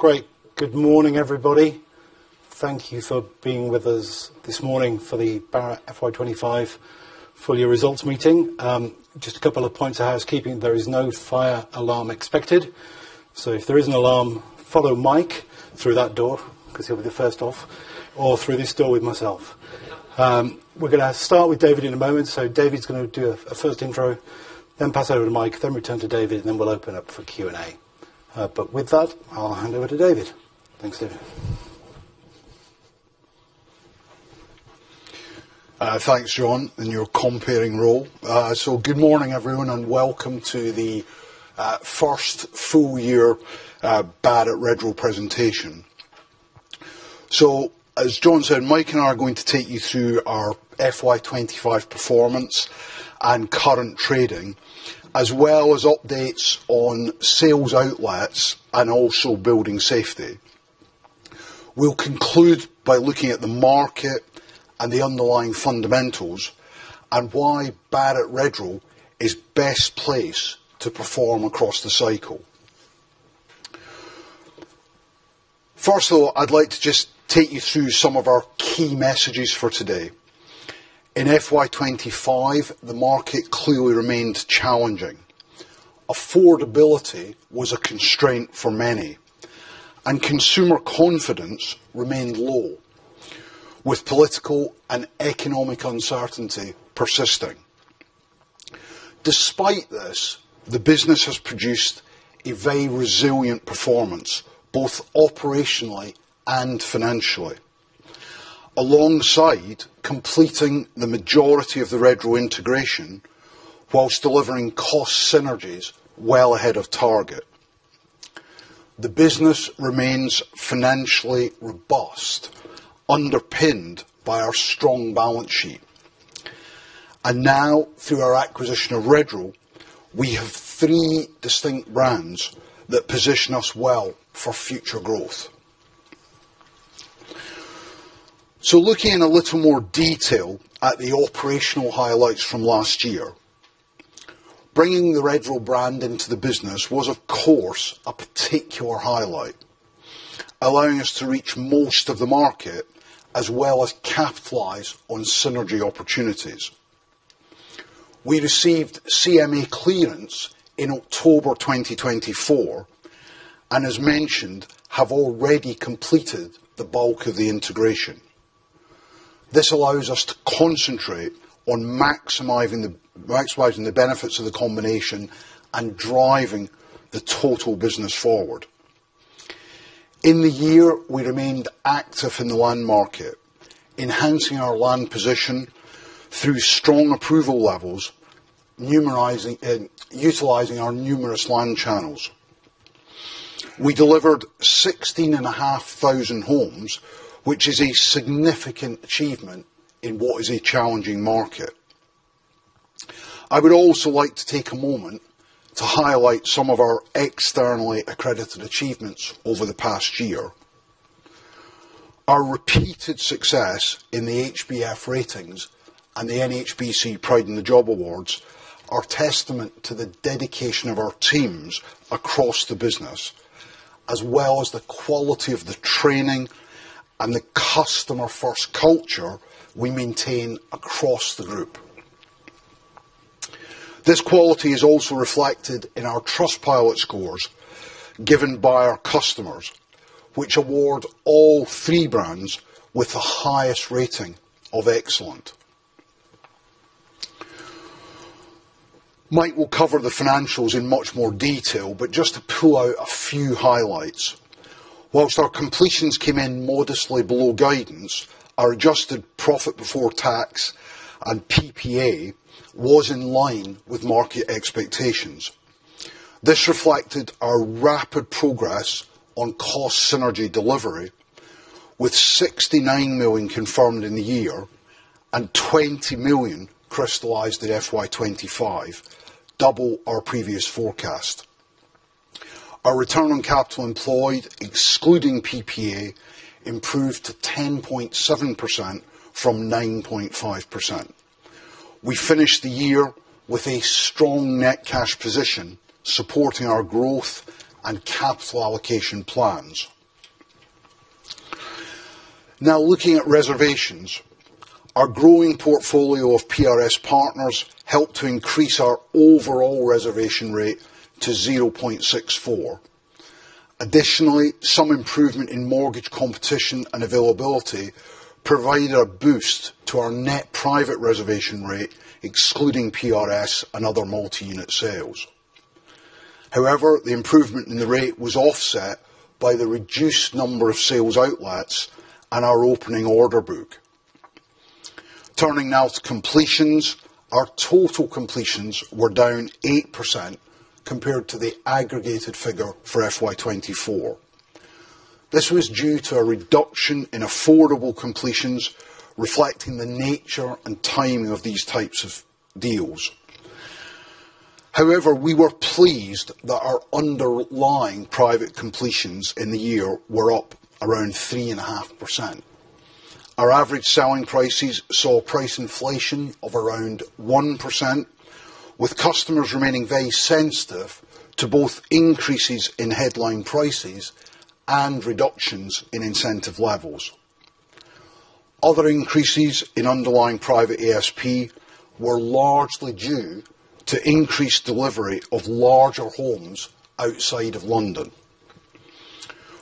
Great. Good morning, everybody. Thank you for being with us this morning for the Barratt Redrow FY25 full year results meeting. Just a couple of points of housekeeping. There is no fire alarm expected. If there is an alarm, follow Mike through that door because he'll be the first off, or through this door with myself. We're going to start with David in a moment. David's going to do a first intro, then pass over to Mike, then return to David, and then we'll open up for Q&A. With that, I'll hand over to David. Thanks, David. Thanks, John, and your comparing role. Good morning, everyone, and welcome to the first full year Barratt Redrow presentation. As John said, Mike and I are going to take you through our FY25 performance and current trading, as well as updates on sales outlets and also building safety. We'll conclude by looking at the market and the underlying fundamentals and why Barratt Redrow is the best place to perform across the cycle. First of all, I'd like to just take you through some of our key messages for today. In FY25, the market clearly remained challenging. Affordability was a constraint for many, and consumer confidence remained low, with political and economic uncertainty persisting. Despite this, the business has produced a very resilient performance, both operationally and financially, alongside completing the majority of the Redrow integration whilst delivering cost synergies well ahead of target. The business remains financially robust, underpinned by our strong balance sheet. Now, through our acquisition of Redrow, we have three distinct brands that position us well for future growth. Looking in a little more detail at the operational highlights from last year, bringing the Redrow brand into the business was, of course, a particular highlight, allowing us to reach most of the market as well as capitalize on synergy opportunities. We received CMA clearance in October 2024 and, as mentioned, have already completed the bulk of the integration. This allows us to concentrate on maximizing the benefits of the combination and driving the total business forward. In the year, we remained active in the land market, enhancing our land position through strong approval levels, utilizing our numerous land channels. We delivered 16,500 homes, which is a significant achievement in what is a challenging market. I would also like to take a moment to highlight some of our externally accredited achievements over the past year. Our repeated success in the HBF ratings and the NHBC Pride in the Job Awards are a testament to the dedication of our teams across the business, as well as the quality of the training and the customer-first culture we maintain across the group. This quality is also reflected in our Trustpilot scores given by our customers, which award all three brands with the highest rating of excellent. Mike will cover the financials in much more detail, but just to pull out a few highlights. Whilst our completions came in modestly below guidance, our adjusted profit before tax and PPA was in line with market expectations. This reflected our rapid progress on cost synergy delivery, with £69 million confirmed in the year and £20 million crystallized in FY25, double our previous forecast. Our return on capital employed, excluding PPA, improved to 10.7% from 9.5%. We finished the year with a strong net cash position, supporting our growth and capital allocation plans. Now, looking at reservations, our growing portfolio of PRS partners helped to increase our overall reservation rate to 0.64. Additionally, some improvement in mortgage competition and availability provided a boost to our net private reservation rate, excluding PRS and other multi-unit sales. However, the improvement in the rate was offset by the reduced number of sales outlets and our opening order book. Turning now to completions, our total completions were down 8% compared to the aggregated figure for FY24. This was due to a reduction in affordable completions, reflecting the nature and timing of these types of deals. However, we were pleased that our underlying private completions in the year were up around 3.5%. Our average selling prices saw price inflation of around 1%, with customers remaining very sensitive to both increases in headline prices and reductions in incentive levels. Other increases in underlying private ESP were largely due to increased delivery of larger homes outside of London.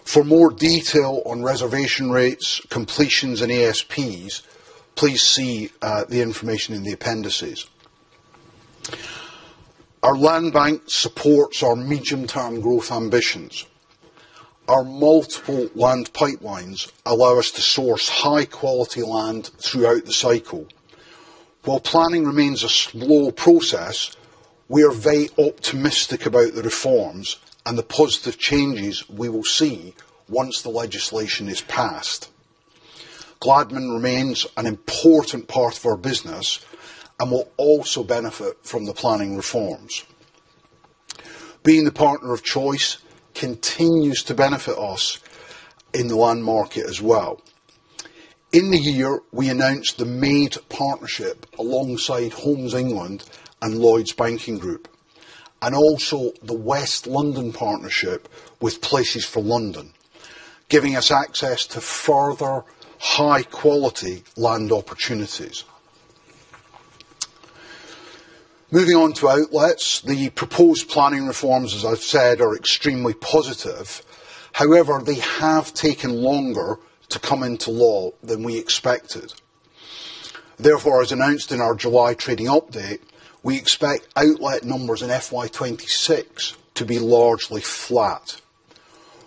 For more detail on reservation rates, completions, and ESPs, please see the information in the appendices. Our land bank supports our medium-term growth ambitions. Our multiple land pipelines allow us to source high-quality land throughout the cycle. While planning remains a slow process, we are very optimistic about the reforms and the positive changes we will see once the legislation is passed. Gladman remains an important part of our business and will also benefit from the planning reforms. Being the partner of choice continues to benefit us in the land market as well. In the year, we announced the MAID partnership alongside Homes England and Lloyd's Banking Group, and also the West London partnership with Places for London, giving us access to further high-quality land opportunities. Moving on to outlets, the proposed planning reforms, as I've said, are extremely positive. However, they have taken longer to come into law than we expected. Therefore, as announced in our July trading update, we expect outlet numbers in FY26 to be largely flat.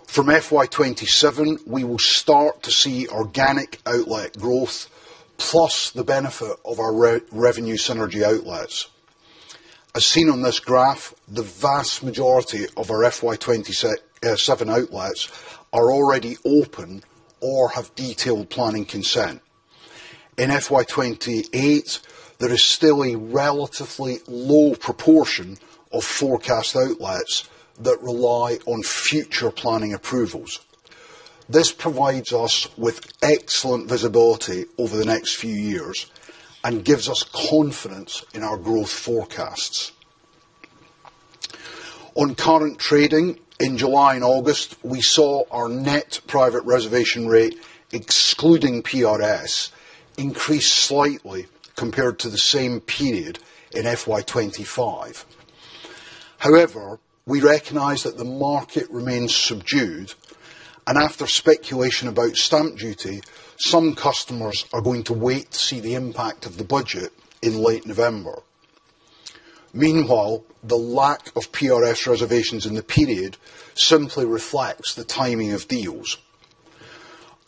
From FY27, we will start to see organic outlet growth, plus the benefit of our revenue synergy outlets. As seen on this graph, the vast majority of our FY27 outlets are already open or have detailed planning consent. In FY28, there is still a relatively low proportion of forecast outlets that rely on future planning approvals. This provides us with excellent visibility over the next few years and gives us confidence in our growth forecasts. On current trading, in July and August, we saw our net private reservation rate, excluding PRS, increase slightly compared to the same period in FY25. However, we recognize that the market remains subdued, and after speculation about stamp duty, some customers are going to wait to see the impact of the budget in late November. Meanwhile, the lack of PRS reservations in the period simply reflects the timing of deals.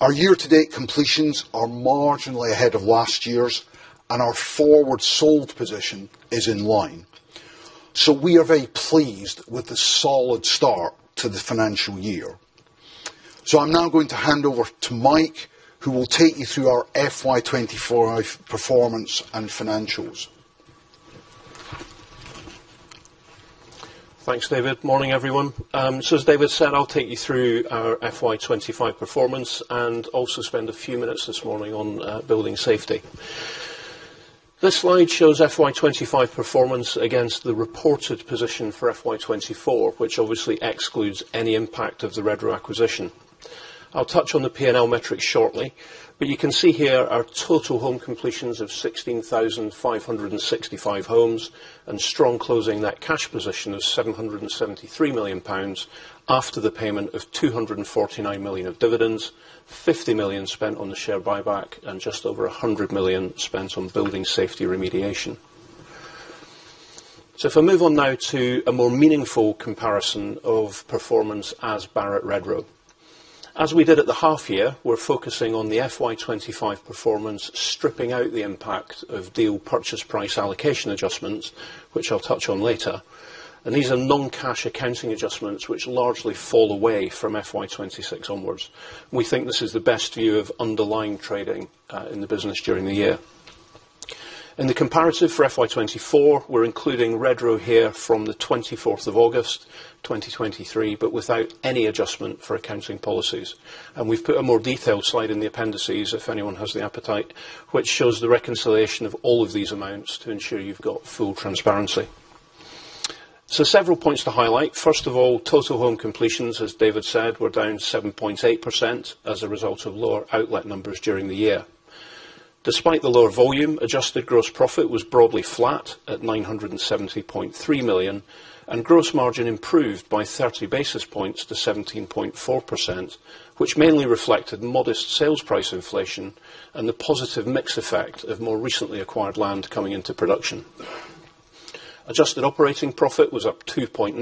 Our year-to-date completions are marginally ahead of last year's, and our forward-sold position is in line. We are very pleased with the solid start to the financial year. I'm now going to hand over to Mike, who will take you through our FY24 performance and financials. Thanks, David. Morning, everyone. As David said, I'll take you through our FY25 performance and also spend a few minutes this morning on building safety. This slide shows FY25 performance against the reported position for FY24, which obviously excludes any impact of the Redrow acquisition. I'll touch on the P&L metrics shortly, but you can see here our total home completions of 16,565 homes and strong closing net cash position of £773 million after the payment of £249 million of dividends, £50 million spent on the share buyback, and just over £100 million spent on building safety remediation. If I move on now to a more meaningful comparison of performance as Barratt Redrow. As we did at the half year, we're focusing on the FY25 performance, stripping out the impact of deal purchase price allocation adjustments, which I'll touch on later. These are non-cash accounting adjustments, which largely fall away from FY26 onwards. We think this is the best view of underlying trading in the business during the year. In the comparative for FY24, we're including Redrow here from the 24th of August 2023, but without any adjustment for accounting policies. We've put a more detailed slide in the appendices, if anyone has the appetite, which shows the reconciliation of all of these amounts to ensure you've got full transparency. Several points to highlight. First of all, total home completions, as David said, were down 7.8% as a result of lower outlet numbers during the year. Despite the lower volume, adjusted gross profit was broadly flat at £970.3 million, and gross margin improved by 30 basis points to 17.4%, which mainly reflected modest sales price inflation and the positive mix effect of more recently acquired land coming into production. Adjusted operating profit was up 2.9%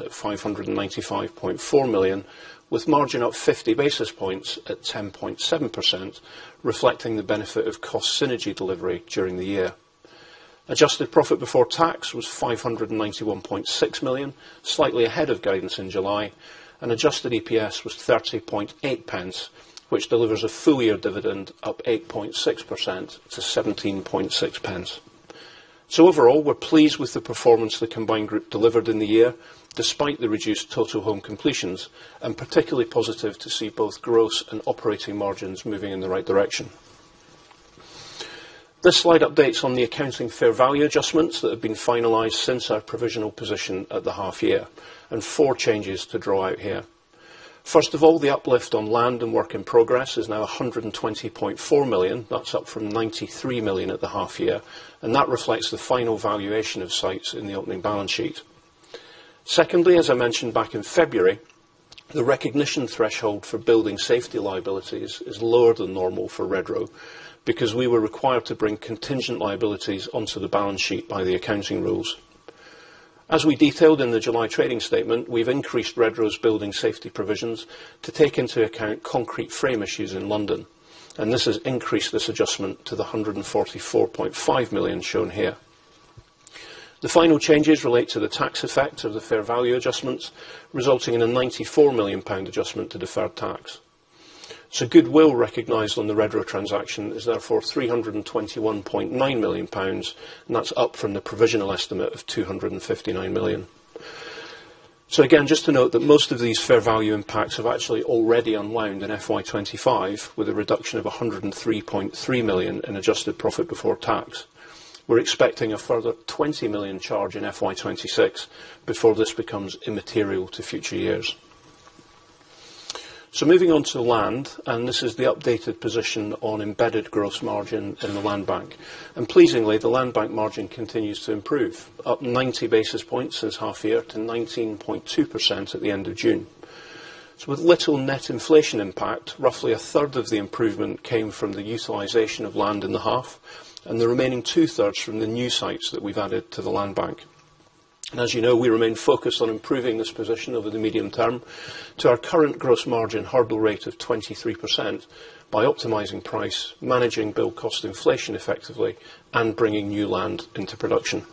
at £595.4 million, with margin up 50 basis points at 10.7%, reflecting the benefit of cost synergy delivery during the year. Adjusted profit before tax was £591.6 million, slightly ahead of guidance in July, and adjusted EPS was £30.80, which delivers a full year dividend up 8.6% to £17.60. Overall, we're pleased with the performance the combined group delivered in the year, despite the reduced total home completions, and particularly positive to see both growth and operating margins moving in the right direction. This slide updates on the accounting fair value adjustments that have been finalized since our provisional position at the half year, and four changes to draw out here. First of all, the uplift on land and work in progress is now £120.4 million. That's up from £93 million at the half year, and that reflects the final valuation of sites in the opening balance sheet. Secondly, as I mentioned back in February, the recognition threshold for building safety liabilities is lower than normal for Redrow because we were required to bring contingent liabilities onto the balance sheet by the accounting rules. As we detailed in the July trading statement, we've increased Redrow's building safety provisions to take into account concrete frame issues in London, and this has increased this adjustment to the £144.5 million shown here. The final changes relate to the tax effect of the fair value adjustments, resulting in a £94 million adjustment to deferred tax. Goodwill recognized on the Redrow transaction is therefore £321.9 million, and that's up from the provisional estimate of £259 million. Most of these fair value impacts have actually already unwound in FY25 with a reduction of £103.3 million in adjusted profit before tax. We're expecting a further £20 million charge in FY26 before this becomes immaterial to future years. Moving on to land, and this is the updated position on embedded gross margin in the land bank. Pleasingly, the land bank margin continues to improve, up 90 basis points this half year to 19.2% at the end of June. With little net inflation impact, roughly a third of the improvement came from the utilization of land in the half, and the remaining two-thirds from the new sites that we've added to the land bank. As you know, we remain focused on improving this position over the medium term to our current gross margin hurdle rate of 23% by optimizing price, managing build cost inflation effectively, and bringing new land into production.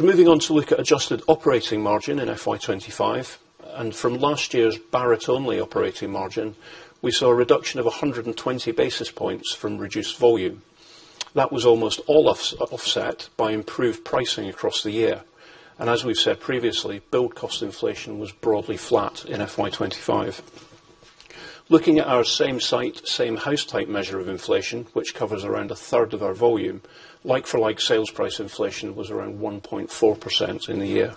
Moving on to look at adjusted operating margin in FY25, and from last year's Barratt-only operating margin, we saw a reduction of 120 basis points from reduced volume. That was almost all offset by improved pricing across the year. As we've said previously, build cost inflation was broadly flat in FY25. Looking at our same site, same house type measure of inflation, which covers around a third of our volume, like-for-like sales price inflation was around 1.4% in the year.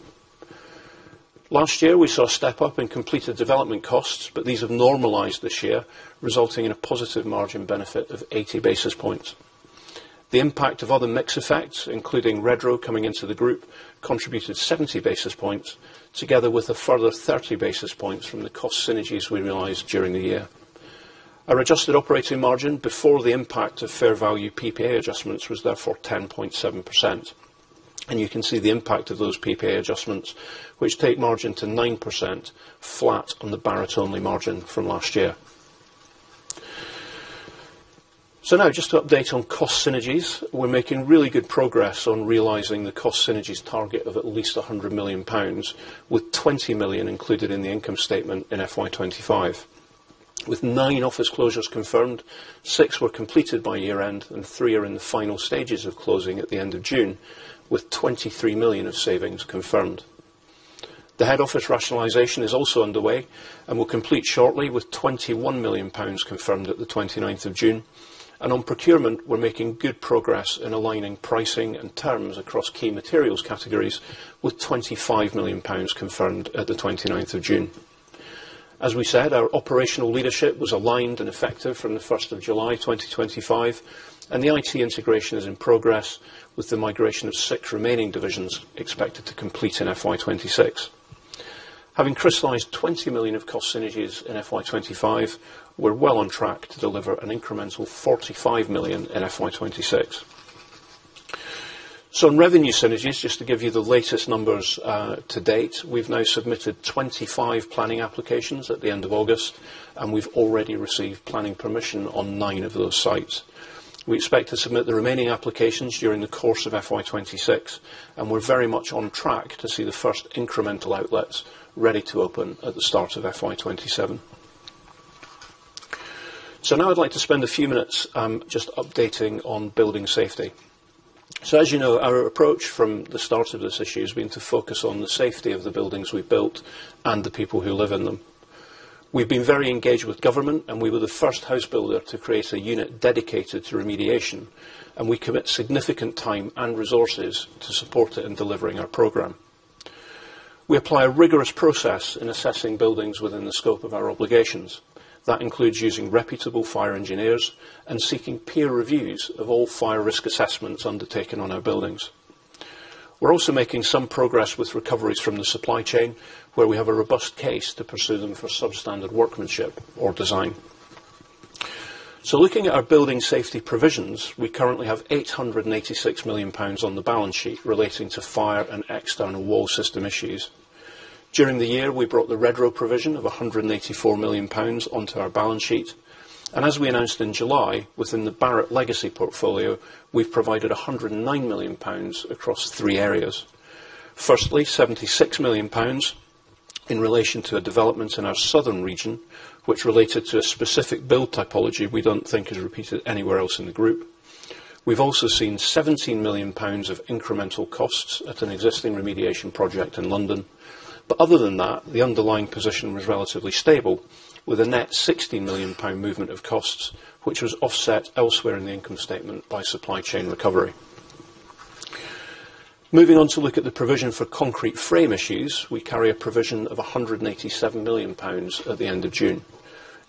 Last year, we saw a step up in completed development costs, but these have normalized this year, resulting in a positive margin benefit of 80 basis points. The impact of other mix effects, including Redrow coming into the group, contributed 70 basis points, together with a further 30 basis points from the cost synergies we realized during the year. Our adjusted operating margin before the impact of fair value PPA adjustments was therefore 10.7%. You can see the impact of those PPA adjustments, which take margin to 9% flat on the Barratt-only margin from last year. Just to update on cost synergies, we're making really good progress on realizing the cost synergies target of at least £100 million, with £20 million included in the income statement in FY25. With nine office closures confirmed, six were completed by year-end, and three are in the final stages of closing at the end of June, with £23 million of savings confirmed. The head office rationalization is also underway and will complete shortly, with £21 million confirmed at the 29th of June. On procurement, we're making good progress in aligning pricing and terms across key materials categories, with £25 million confirmed at the 29th of June. As we said, our operational leadership was aligned and effective from the 1st of July 2025, and the IT integration is in progress, with the migration of six remaining divisions expected to complete in FY26. Having crystallized £20 million of cost synergies in FY25, we're well on track to deliver an incremental £45 million in FY26. On revenue synergies, just to give you the latest numbers to date, we've now submitted 25 planning applications at the end of August, and we've already received planning permission on nine of those sites. We expect to submit the remaining applications during the course of FY26, and we're very much on track to see the first incremental outlets ready to open at the start of FY27. I'd like to spend a few minutes just updating on building safety. As you know, our approach from the start of this issue has been to focus on the safety of the buildings we built and the people who live in them. We've been very engaged with government, and we were the first house builder to create a unit dedicated to remediation, and we commit significant time and resources to support it in delivering our program. We apply a rigorous process in assessing buildings within the scope of our obligations. That includes using reputable fire engineers and seeking peer reviews of all fire risk assessments undertaken on our buildings. We're also making some progress with recoveries from the supply chain, where we have a robust case to pursue them for substandard workmanship or design. Looking at our building safety provisions, we currently have £886 million on the balance sheet relating to fire and external wall system issues. During the year, we brought the Redrow provision of £184 million onto our balance sheet. As we announced in July, within the Barratt legacy portfolio, we've provided £109 million across three areas. Firstly, £76 million in relation to a development in our southern region, which related to a specific build typology we don't think is repeated anywhere else in the group. We've also seen £17 million of incremental costs at an existing remediation project in London. Other than that, the underlying position was relatively stable, with a net £16 million movement of costs, which was offset elsewhere in the income statement by supply chain recovery. Moving on to look at the provision for concrete frame issues, we carry a provision of £187 million at the end of June.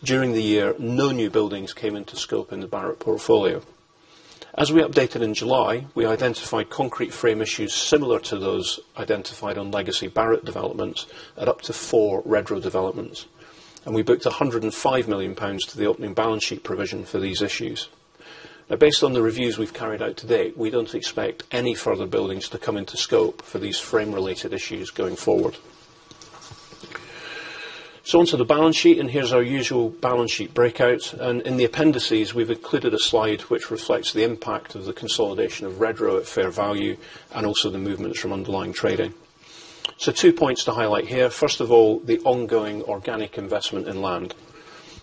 During the year, no new buildings came into scope in the Barratt portfolio. As we updated in July, we identified concrete frame issues similar to those identified on legacy Barratt developments at up to four Redrow developments, and we booked £105 million to the opening balance sheet provision for these issues. Based on the reviews we've carried out to date, we don't expect any further buildings to come into scope for these frame-related issues going forward. Onto the balance sheet, and here's our usual balance sheet breakout. In the appendices, we've included a slide which reflects the impact of the consolidation of Redrow at fair value and also the movements from underlying trading. Two points to highlight here. First of all, the ongoing organic investment in land.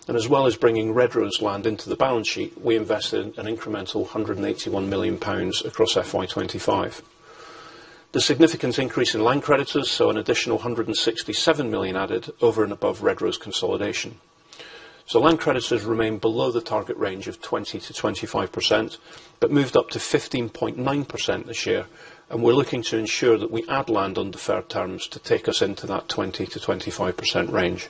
As well as bringing Redrow's land into the balance sheet, we invested an incremental £181 million across FY2025. The significant increase in land creditors, so an additional £167 million added over and above Redrow's consolidation. Land creditors remain below the target range of 20% to 25%, but moved up to 15.9% this year, and we're looking to ensure that we add land on deferred terms to take us into that 20% to 25% range.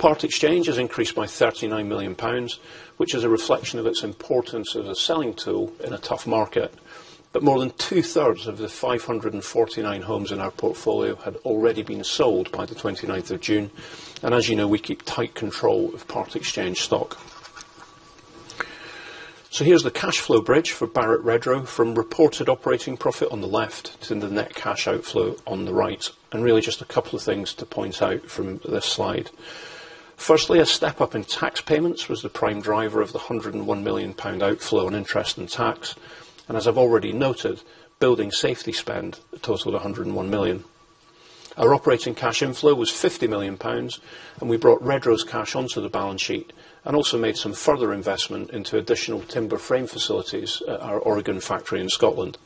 Part exchange has increased by £39 million, which is a reflection of its importance as a selling tool in a tough market. More than two-thirds of the 549 homes in our portfolio had already been sold by the 29th of June, and as you know, we keep tight control of part exchange stock. Here's the cash flow bridge for Barratt Redrow from reported operating profit on the left to the net cash outflow on the right, and really just a couple of things to point out from this slide. Firstly, a step up in tax payments was the prime driver of the £101 million outflow on interest and tax, and as I've already noted, building safety spend totaled £101 million. Our operating cash inflow was £50 million, and we brought Redrow's cash onto the balance sheet and also made some further investment into additional timber frame facilities at our Oregon factory in Scotland.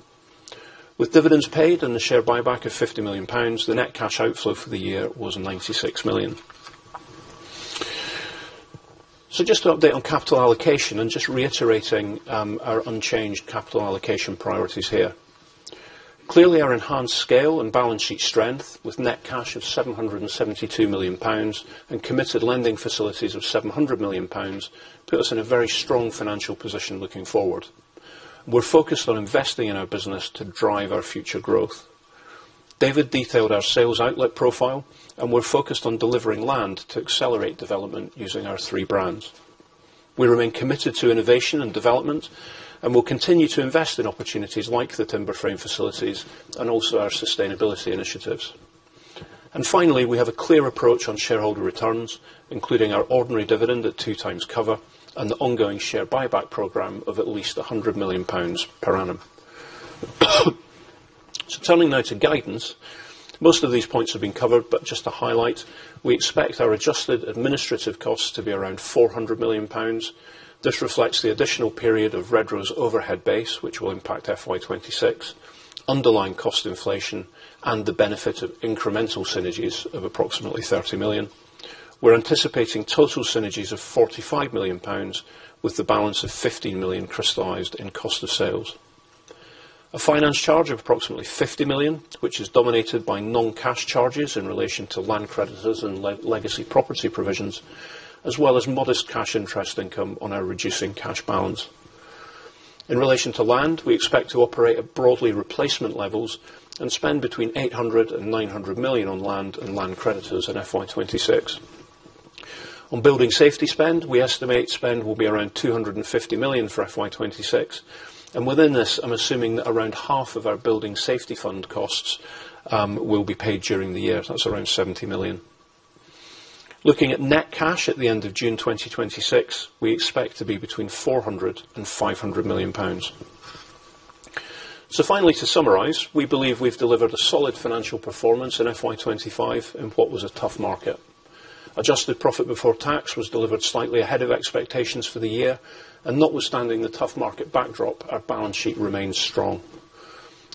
With dividends paid and the share buyback of £50 million, the net cash outflow for the year was £96 million. Just to update on capital allocation and reiterating our unchanged capital allocation priorities here. Clearly, our enhanced scale and balance sheet strength, with net cash of £772 million and committed lending facilities of £700 million, put us in a very strong financial position looking forward. We're focused on investing in our business to drive our future growth. David detailed our sales outlet profile, and we're focused on delivering land to accelerate development using our three brands. We remain committed to innovation and development, and we'll continue to invest in opportunities like the timber frame facilities and also our sustainability initiatives. Finally, we have a clear approach on shareholder returns, including our ordinary dividend at two times cover and the ongoing share buyback program of at least £100 million per annum. Turning now to guidance, most of these points have been covered, but just to highlight, we expect our adjusted administrative costs to be around £400 million. This reflects the additional period of Redrow's overhead base, which will impact FY26, underlying cost inflation, and the benefit of incremental synergies of approximately £30 million. We're anticipating total synergies of £45 million, with the balance of £15 million crystallized in cost of sales. A finance charge of approximately £50 million, which is dominated by non-cash charges in relation to land creditors and legacy property provisions, as well as modest cash interest income on our reducing cash balance. In relation to land, we expect to operate at broadly replacement levels and spend between £800 million and £900 million on land and land creditors in FY26. On building safety spend, we estimate spend will be around £250 million for FY26, and within this, I'm assuming that around half of our building safety fund costs will be paid during the year. That's around £70 million. Looking at net cash at the end of June 2026, we expect to be between £400 million and £500 million. To summarize, we believe we've delivered a solid financial performance in FY25 in what was a tough market. Adjusted profit before tax was delivered slightly ahead of expectations for the year, and notwithstanding the tough market backdrop, our balance sheet remains strong.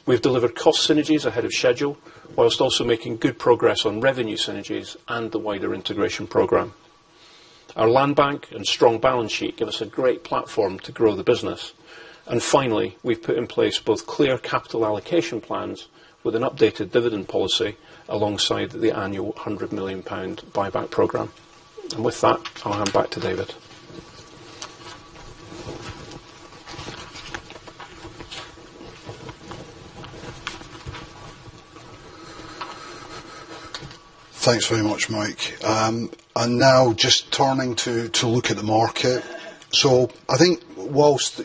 We've delivered cost synergies ahead of schedule, whilst also making good progress on revenue synergies and the wider integration program. Our land bank and strong balance sheet give us a great platform to grow the business. We've put in place both clear capital allocation plans with an updated dividend policy alongside the annual £100 million buyback program. With that, I'll hand back to David. Thanks very much, Mike. Now just turning to look at the market. Whilst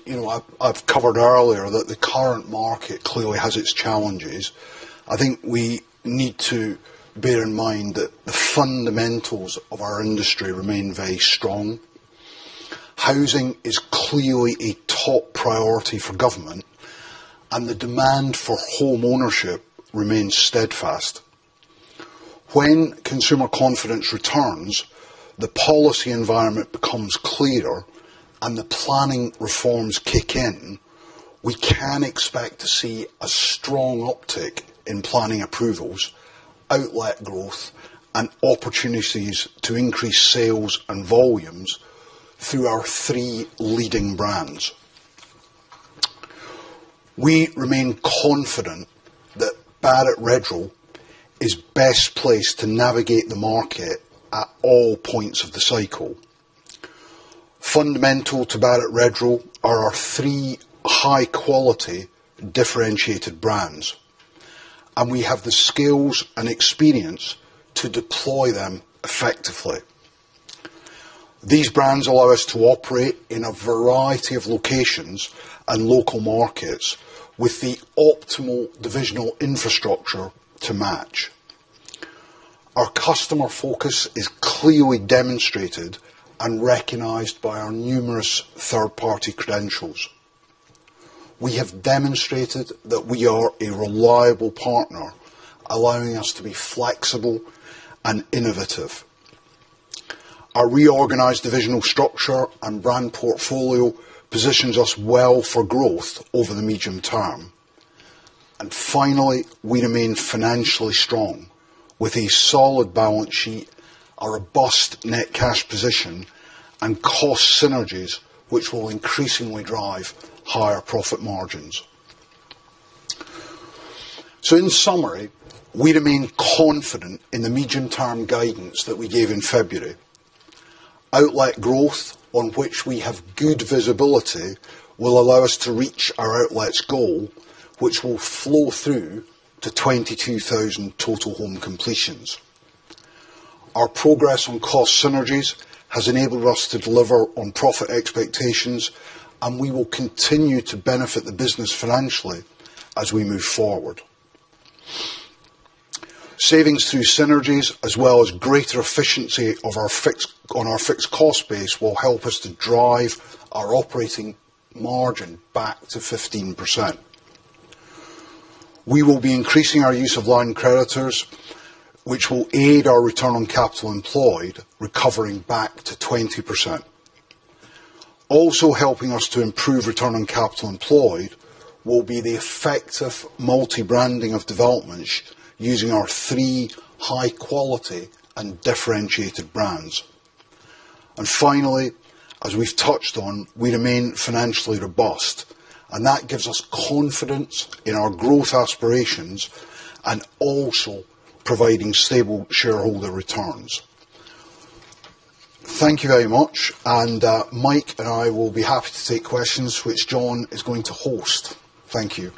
I've covered earlier that the current market clearly has its challenges, we need to bear in mind that the fundamentals of our industry remain very strong. Housing is clearly a top priority for government, and the demand for home ownership remains steadfast. When consumer confidence returns, the policy environment becomes clearer, and the planning reforms kick in, we can expect to see a strong uptick in planning approvals, outlet growth, and opportunities to increase sales and volumes through our three leading brands. We remain confident that Barratt Redrow is the best place to navigate the market at all points of the cycle. Fundamental to Barratt Redrow are our three high-quality differentiated brands, and we have the skills and experience to deploy them effectively. These brands allow us to operate in a variety of locations and local markets with the optimal divisional infrastructure to match. Our customer focus is clearly demonstrated and recognized by our numerous third-party credentials. We have demonstrated that we are a reliable partner, allowing us to be flexible and innovative. Our reorganized divisional structure and brand portfolio positions us well for growth over the medium term. Finally, we remain financially strong with a solid balance sheet, a robust net cash position, and cost synergies, which will increasingly drive higher profit margins. In summary, we remain confident in the medium-term guidance that we gave in February. Outlet growth, on which we have good visibility, will allow us to reach our outlets goal, which will flow through to 22,000 total home completions. Our progress on cost synergies has enabled us to deliver on profit expectations, and we will continue to benefit the business financially as we move forward. Savings through synergies, as well as greater efficiency on our fixed cost base, will help us to drive our operating margin back to 15%. We will be increasing our use of land creditors, which will aid our return on capital employed, recovering back to 20%. Also helping us to improve return on capital employed will be the effective multi-branding of developments using our three high-quality and differentiated brands. Finally, as we've touched on, we remain financially robust, and that gives us confidence in our growth aspirations and also providing stable shareholder returns. Thank you very much, and Mike and I will be happy to take questions, which John is going to host. Thank you.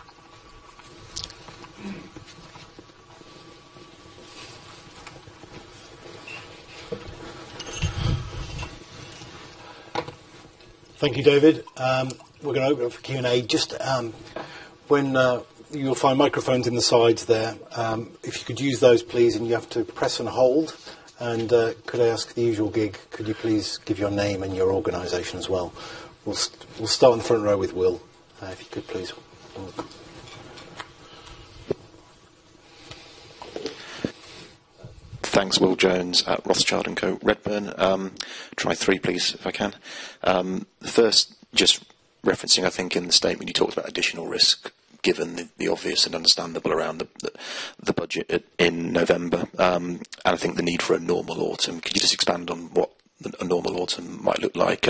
Thank you, David. We're going to open up for Q&A. You'll find microphones in the sides there. If you could use those, please, and you have to press and hold. Could I ask the usual gig? Could you please give your name and your organization as well? We'll start in the front row with Will. If you could, please. Thanks, Will Jones at Redburn Atlantic. Try three, please, if I can. The first, just referencing, I think in the statement you talked about additional risk, given the obvious and understandable around the budget in November. I think the need for a normal autumn. Could you just expand on what a normal autumn might look like?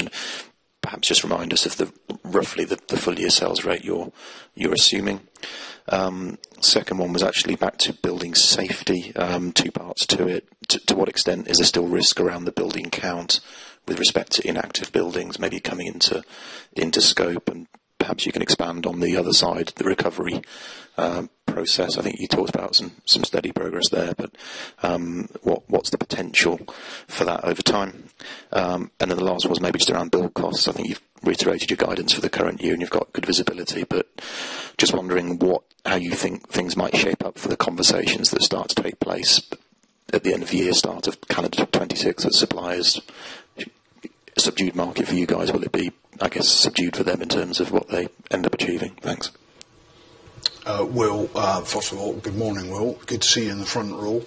Perhaps just remind us of roughly the full year sales rate you're assuming. Second one was actually back to building safety, two parts to it. To what extent is there still risk around the building count with respect to inactive buildings maybe coming into scope? Perhaps you can expand on the other side, the recovery process. I think you talked about some steady progress there, but what's the potential for that over time? The last was maybe just around build costs. I think you've reiterated your guidance for the current year and you've got good visibility, but just wondering how you think things might shape up for the conversations that start to take place at the end of the year, start of 2026 at suppliers. A subdued market for you guys, will it be, I guess, subdued for them in terms of what they end up achieving? Thanks. Will, first of all, good morning, Will. Good to see you in front of the room.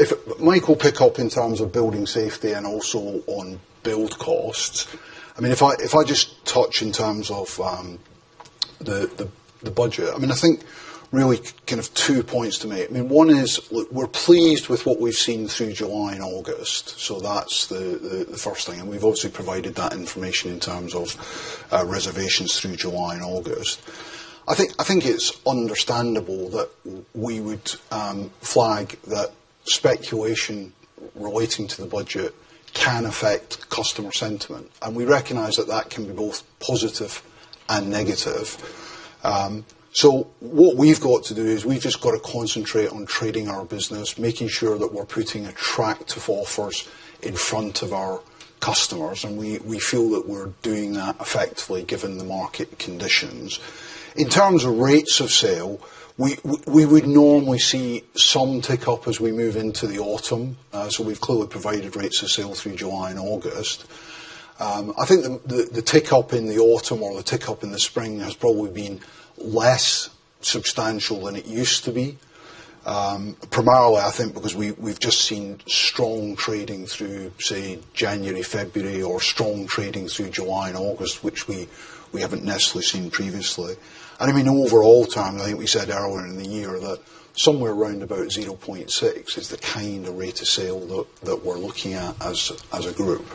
If Mike will pick up in terms of building safety and also on build costs. If I just touch in terms of the budget, I think really kind of two points to make. One is we're pleased with what we've seen through July and August. That's the first thing. We've obviously provided that information in terms of reservations through July and August. I think it's understandable that we would flag that speculation relating to the budget can affect customer sentiment. We recognize that can be both positive and negative. What we've got to do is concentrate on trading our business, making sure that we're putting attractive offers in front of our customers. We feel that we're doing that effectively given the market conditions. In terms of rates of sale, we would normally see some tick up as we move into the autumn. We've clearly provided rates of sale through July and August. I think the tick up in the autumn or the tick up in the spring has probably been less substantial than it used to be. Primarily, I think because we've just seen strong trading through, say, January, February, or strong trading through July and August, which we haven't necessarily seen previously. Overall, I think we said earlier in the year that somewhere around about 0.6 is the kind of rate of sale that we're looking at as a group.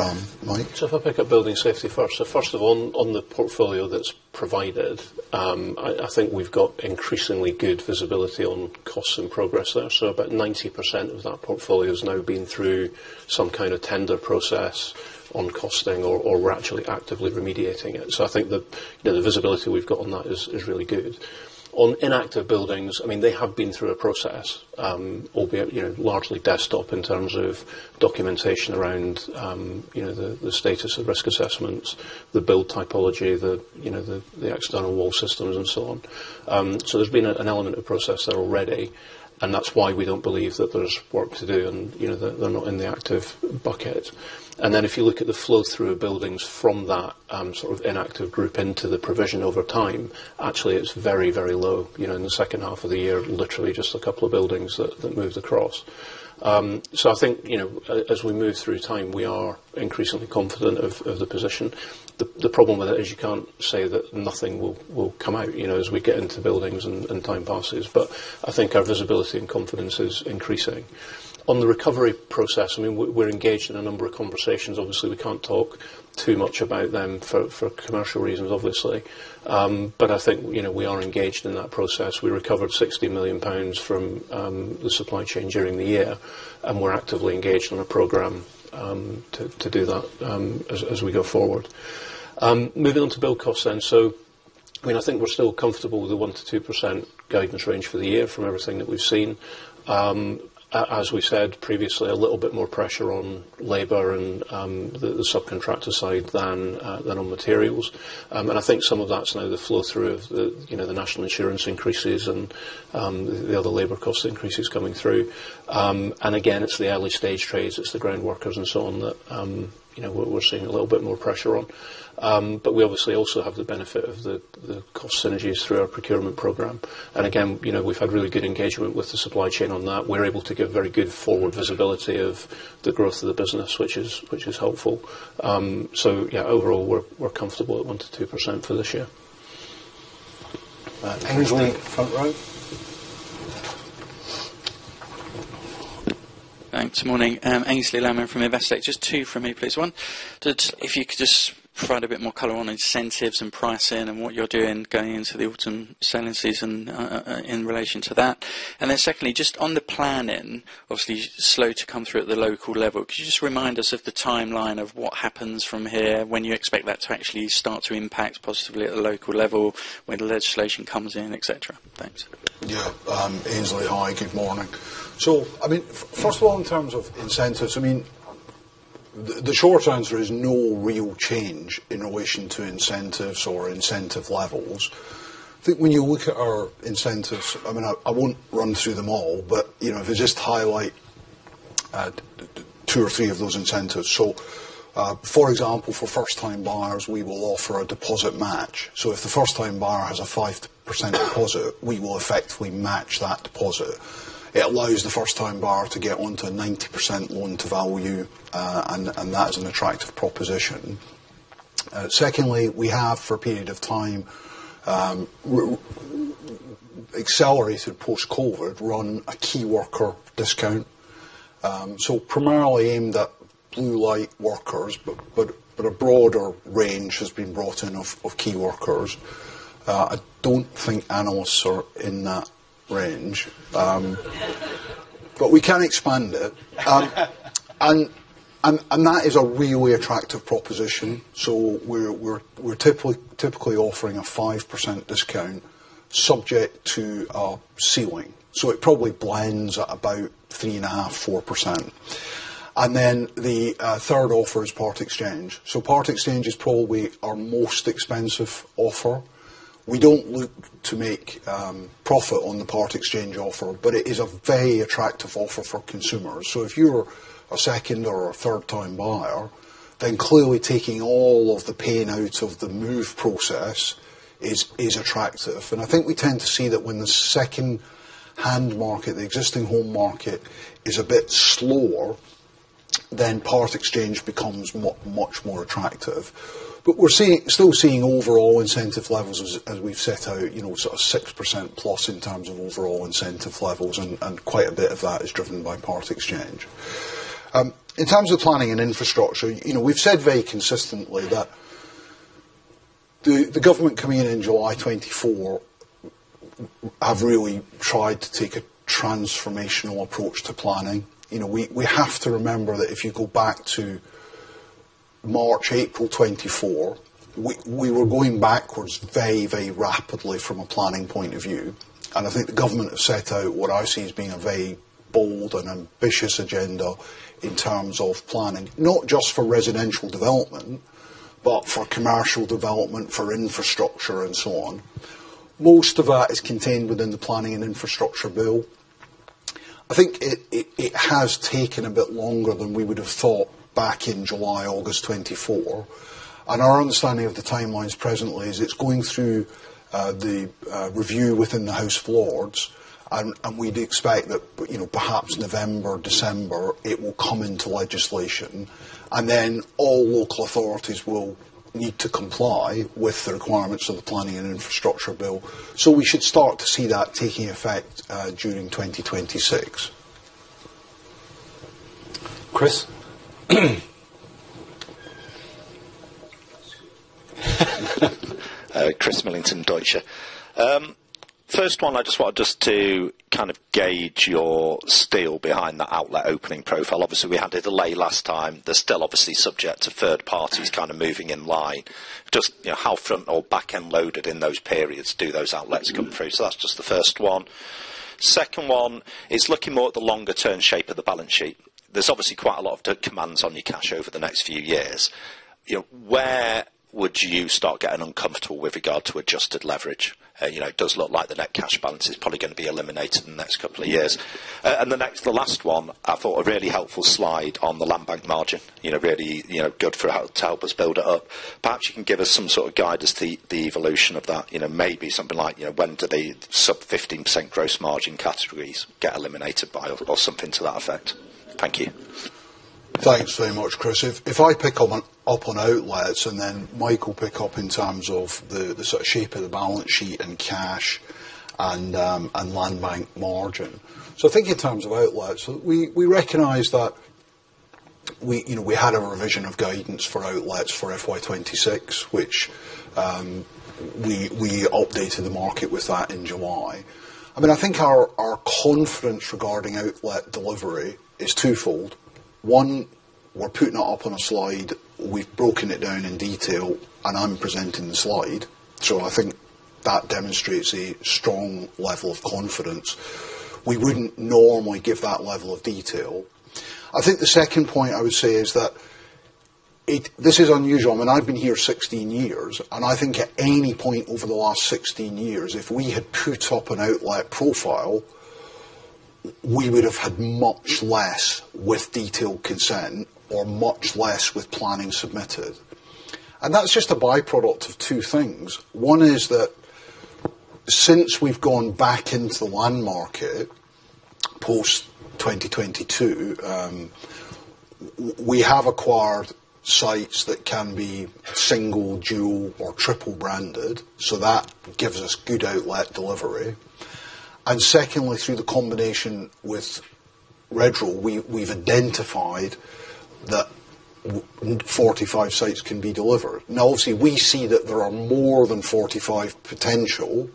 If I pick up building safety first. First of all, on the portfolio that's provided, I think we've got increasingly good visibility on costs and progress there. About 90% of that portfolio has now been through some kind of tender process on costing or we're actually actively remediating it. I think the visibility we've got on that is really good. On inactive buildings, they have been through a process, albeit largely desktop in terms of documentation around the status of risk assessments, the build typology, the external wall systems, and so on. There's been an element of process there already, and that's why we don't believe that there's work to do and they're not in the active bucket. If you look at the flow through of buildings from that sort of inactive group into the provision over time, actually, it's very, very low. In the second half of the year, literally just a couple of buildings moved across. As we move through time, we are increasingly confident of the position. The problem with it is you can't say that nothing will come out, as we get into buildings and time passes, but I think our visibility and confidence is increasing. On the recovery process, we're engaged in a number of conversations. Obviously, we can't talk too much about them for commercial reasons. I think we are engaged in that process. We recovered £60 million from the supply chain during the year, and we're actively engaged on a program to do that as we go forward. Moving on to build costs then. I think we're still comfortable with the 1% to 2% guidance range for the year from everything that we've seen. As we said previously, a little bit more pressure on labor and the subcontractor side than on materials. I think some of that's now the flow through of the national insurance increases and the other labor cost increases coming through. It's the early stage trades, it's the groundworkers and so on that we're seeing a little bit more pressure on. We obviously also have the benefit of the cost synergies through our procurement program. We've had really good engagement with the supply chain on that. We're able to give very good forward visibility of the growth of the business, which is helpful. Overall, we're comfortable at 1% to 2% for this year. Angus Lee from the front row. Thanks. Morning. Angus Lee, Land Manager from Investec. Just two from me, please. One, if you could just provide a bit more color on incentives and pricing and what you're doing going into the autumn selling season in relation to that. Secondly, just on the planning, obviously slow to come through at the local level. Could you just remind us of the timeline of what happens from here, when you expect that to actually start to impact positively at the local level, when the legislation comes in, etc. Thanks. Yeah. Angus Lee, hi. Good morning. Sure. First of all, in terms of incentives, the short answer is no real change in relation to incentives or incentive levels. I think when you look at our incentives, I won't run through them all, but if I just highlight two or three of those incentives. For example, for first-time buyers, we will offer a deposit match. If the first-time buyer has a 5% deposit, we will effectively match that deposit. It allows the first-time buyer to get onto a 90% one-to-one value, and that is an attractive proposition. Secondly, we have for a period of time accelerated post-COVID run a key worker discount. Primarily aimed at blue light workers, but a broader range has been brought in of key workers. I don't think animals are in that range, but we can expand it. That is a really attractive proposition. We're typically offering a 5% discount subject to our ceiling. It probably blends at about 3.5%, 4%. The third offer is part exchange. Part exchange is probably our most expensive offer. We don't look to make profit on the part exchange offer, but it is a very attractive offer for consumers. If you're a second or a third-time buyer, then clearly taking all of the pain out of the move process is attractive. I think we tend to see that when the second-hand market, the existing home market, is a bit slower, part exchange becomes much, much more attractive. We're still seeing overall incentive levels, as we've set out, sort of 6% plus in terms of overall incentive levels, and quite a bit of that is driven by part exchange. In terms of planning and infrastructure, we've said very consistently that the government coming in in July 2024 have really tried to take a transformational approach to planning. We have to remember that if you go back to March, April 2024, we were going backwards very, very rapidly from a planning point of view. I think the government have set out what I see as being a very bold and ambitious agenda in terms of planning, not just for residential development, but for commercial development, for infrastructure, and so on. Most of that is contained within the planning and infrastructure bill. I think it has taken a bit longer than we would have thought back in July, August 2024. Our understanding of the timelines presently is it's going through the review within the House of Lords. We'd expect that, perhaps November, December, it will come into legislation. All local authorities will need to comply with the requirements of the planning and infrastructure bill. We should start to see that taking effect during 2026. Chris Millington, Deutsche Numis. First one, I just wanted to kind of gauge your steel behind the outlet opening profile. Obviously, we had a delay last time. They're still obviously subject to third parties moving in line. Just how front or back end loaded in those periods do those outlets come through? That's just the first one. Second one is looking more at the longer term shape of the balance sheet. There's obviously quite a lot of commands on your cash over the next few years. Where would you start getting uncomfortable with regard to adjusted leverage? It does look like the net cash balance is probably going to be eliminated in the next couple of years. The last one, I thought a really helpful slide on the land bank margin. Really good to help us build it up. Perhaps you can give us some sort of guidance to the evolution of that. Maybe something like, when do the sub 15% gross margin categories get eliminated by or something to that effect? Thank you. Thanks very much, Chris. If I pick up on outlets and then Mike will pick up in terms of the sort of shape of the balance sheet and cash and land bank margin. I think in terms of outlets, we recognize that we, you know, we had a revision of guidance for outlets for FY2026, which we updated the market with that in July. I mean, I think our confidence regarding outlet delivery is twofold. One, we're putting it up on a slide. We've broken it down in detail and I'm presenting the slide. I think that demonstrates a strong level of confidence. We wouldn't normally give that level of detail. I think the second point I would say is that this is unusual. I mean, I've been here 16 years and I think at any point over the last 16 years, if we had put up an outlet profile, we would have had much less with detailed consent or much less with planning submitted. That's just a byproduct of two things. One is that since we've gone back into the land market post 2022, we have acquired sites that can be a single, dual, or triple branded. That gives us good outlet delivery. Secondly, through the combination with Redrow, we've identified that 45 sites can be delivered. Obviously, we see that there are more than 45 potential.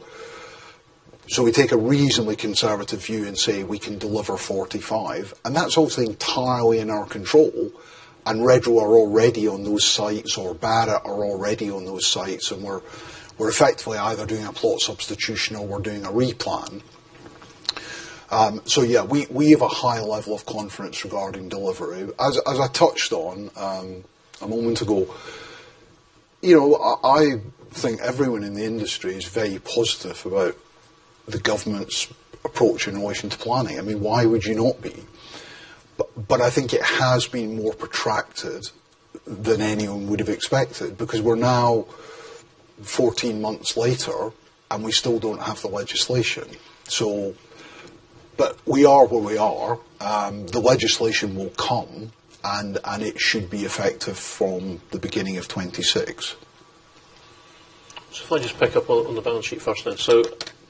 We take a reasonably conservative view and say we can deliver 45. That's also entirely in our control. Redrow are already on those sites, or Barratt are already on those sites. We're effectively either doing a plot substitution or we're doing a replan. Yeah, we have a high level of confidence regarding delivery. As I touched on a moment ago, I think everyone in the industry is very positive about the government's approach in relation to planning. I mean, why would you not be? I think it has been more protracted than anyone would have expected because we're now 14 months later and we still don't have the legislation. We are where we are. The legislation will come and it should be effective from the beginning of 2026. If I just pick up on the balance sheet first then,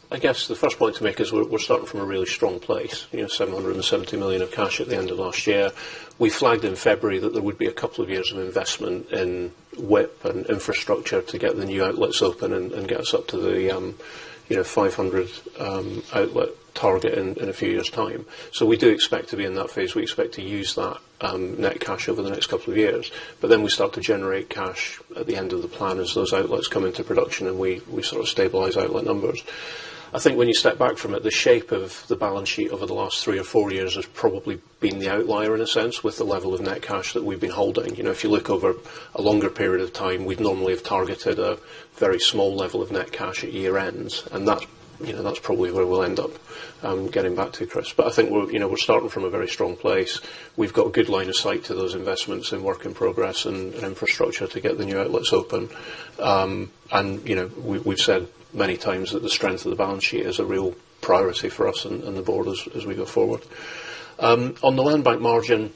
the first point to make is we'll start from a really strong place. £770 million of cash at the end of last year. We flagged in February that there would be a couple of years of investment in WIP and infrastructure to get the new outlets open and get us up to the 500 outlet target in a few years' time. We do expect to be in that phase. We expect to use that net cash over the next couple of years. Then we start to generate cash at the end of the plan as those outlets come into production and we sort of stabilize outlet numbers. When you step back from it, the shape of the balance sheet over the last three or four years has probably been the outlier in a sense with the level of net cash that we've been holding. If you look over a longer period of time, we'd normally have targeted a very small level of net cash at year ends. That's probably where we'll end up getting back to, Chris. I think we're starting from a very strong place. We've got a good line of sight to those investments and work in progress and infrastructure to get the new outlets open. We've said many times that the strength of the balance sheet is a real priority for us and the board as we go forward. On the land bank margin,